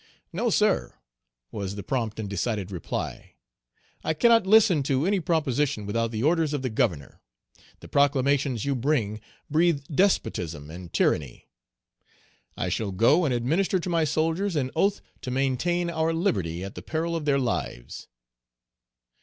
"No, sir," was the prompt and decided reply, "I cannot listen to any proposition without the orders of the Governor. The proclamations you bring breathe despotism and tyranny. I shall go and administer to my soldiers an oath to maintain our liberty at the peril of their lives."